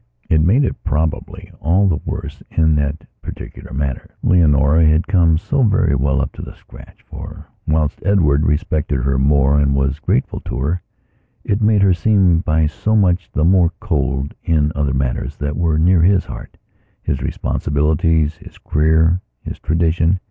It made it, probably, all the worse that, in that particular matter, Leonara had come so very well up to the scratch. For, whilst Edward respected her more and was grateful to her, it made her seem by so much the more cold in other matters that were near his hearthis responsibilities, his career, his tradition.